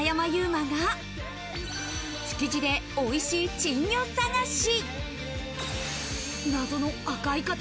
馬が、築地でおいしい珍魚探し。